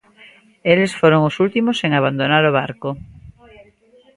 Eles foron os últimos en abandonar o barco.